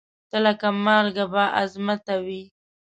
ته لکه مالکه بااعظمته وې